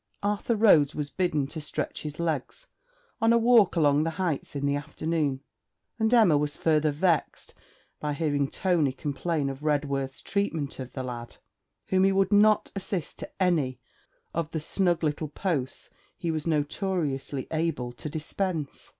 Arthur Rhodes was bidden to stretch his legs on a walk along the heights in the afternoon, and Emma was further vexed by hearing Tony complain of Redworth's treatment of the lad, whom he would not assist to any of the snug little posts he was notoriously able to dispense.